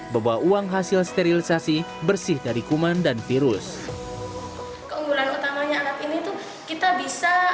bahwa uang hasil sterilisasi bersih dari kuman dan virus keunggulan utamanya alat ini tuh kita bisa